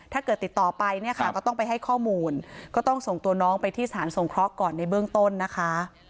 ติดต่อไปเนี่ยค่ะก็ต้องไปให้ข้อมูลก็ต้องส่งตัวน้องไปที่สถานสงเคราะห์ก่อนในเบื้องต้นนะคะ